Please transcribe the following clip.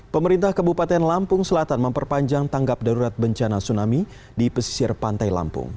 pemerintah kabupaten lampung selatan memperpanjang tanggap darurat bencana tsunami di pesisir pantai lampung